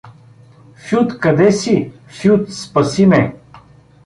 — Фют, къде си, Фют, спаси ме!